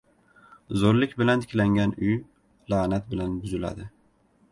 • Zo‘rlik bilan tiklangan uy la’nat bilan buziladi.